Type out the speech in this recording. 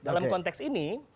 dalam konteks ini